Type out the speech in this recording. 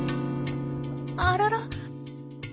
あらら？